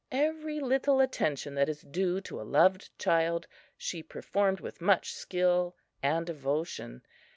Every little attention that is due to a loved child she performed with much skill and devotion.